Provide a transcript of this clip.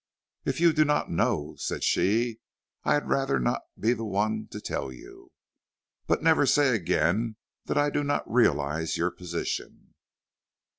"If you do not know," said she, "I had rather not be the one to tell you. But never say again that I do not realize your position."